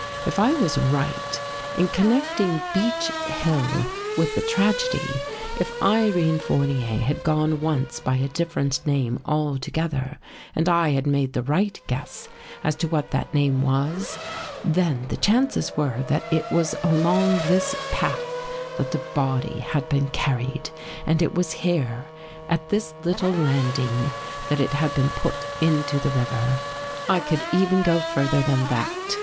If I was right in connecting Beech Hill i66 BEECH HILL with the tragedy, if Irene Fournier had gone once by a different name altogether, and I had made the right guess as to what that name was, then the chances were that it was along this path that the body had been carried and it was here, at this little landing, that it had been put into the river. I could even go further than that.